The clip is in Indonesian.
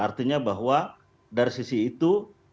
artinya bahwa dari sisi itu